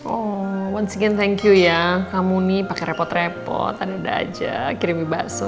oh once again thank you ya kamu nih pakai repot repot tanda tanda aja kirim mie bakso